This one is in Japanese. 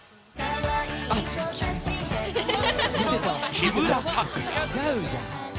木村拓哉